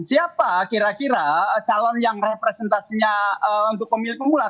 siapa kira kira calon yang representasinya untuk pemilih pemula